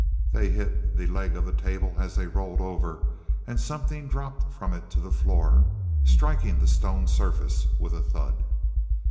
They hit the leg of the table as they rolled over, and something dropped from it to the floor, striking the stone surface with a thud.